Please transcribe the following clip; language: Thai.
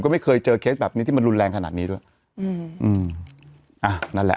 ก็ไม่เคยเจอเคสแบบนี้ที่มันรุนแรงขนาดนี้ด้วยอืมอืมอ่ะนั่นแหละ